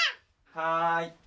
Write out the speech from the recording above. はい。